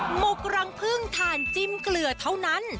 หมกรังพึ่งถ่านจิ้มเกลือเท่านั้น